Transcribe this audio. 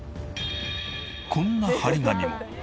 こんな貼り紙も。